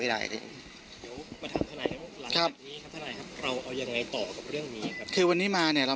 มันไม่ใช่แหละมันไม่ใช่แหละ